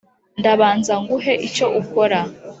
ndabanza nguhe icyo ukora